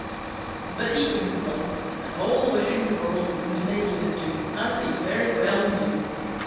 But he couldn't climb, and all the wishing in the world wouldn't enable him to, as he very well knew.